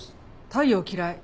太陽嫌い。